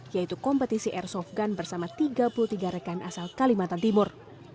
yaitu kompetisi airsoft gun bersama tiga puluh tiga rekan asal kalimantan timur